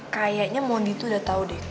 kayaknya mondi itu udah tau deh